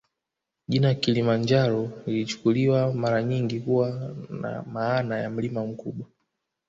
Jina Kilima Njaro lilichukuliwa mara nyingi kuwa na maana ya mlima mkubwa